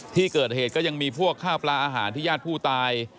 ที่เกิดเหตุก็ยังมีพวกข้าวปลาอาหารที่ญาติผู้ตาย